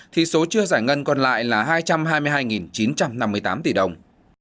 thì số chưa giải ngân còn lại là hai trăm hai mươi hai chín trăm năm mươi tám tỷ đồng